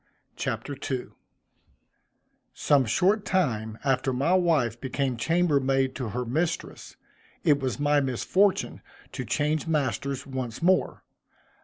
CHAPTER II Some short time after my wife became chambermaid to her mistress, it was my misfortune to change masters once more.